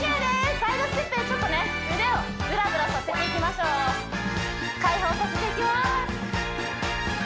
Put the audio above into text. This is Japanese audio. サイドステップでちょっと腕をぶらぶらさせていきましょう開放させていきます